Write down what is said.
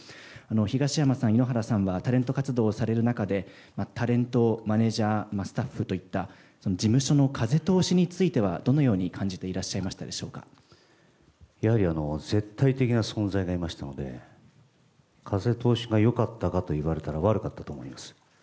東山さん、井ノ原さんはタレント活動をされる中で、タレント、マネージャー、スタッフといった事務所の風通しについては、どのように感じていやはり絶対的な存在がいましたので、風通しがよかったかと言われたら、悪かったと思います。